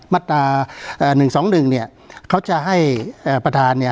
การแสดงความคิดเห็น